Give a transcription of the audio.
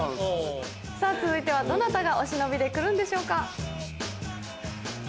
さぁ続いてはどなたがお忍びで来るんでしょうか。